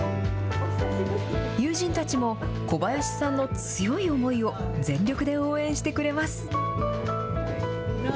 友人たちも小林さんの強い思いを全力で応援してくれます。